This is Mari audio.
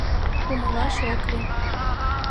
Умылаш ок лий.